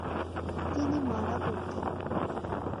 তিনি মারা পড়তেন।